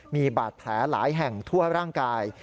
มีบาดแผลหลายแห่งทั่วร่างกาย